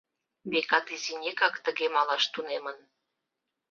Векат, изинекак тыге малаш тунемын.